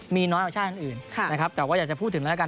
มีน้อยกว่าชาติอื่นนะครับแต่ว่าอยากจะพูดถึงแล้วกัน